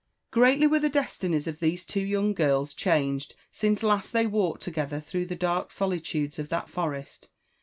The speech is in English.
GtiEATir were the destinies of these two young girls changed sftiee last they walked together through the dark solitudes of that forest.